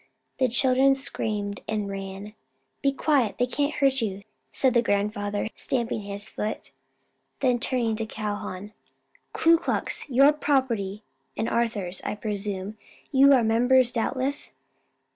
The children screamed and ran. "Be quiet! they can't hurt you," said the grandfather, stamping his foot; then turning to Calhoun, "Ku Klux your property and Arthur's, I presume, you are members doubtless?"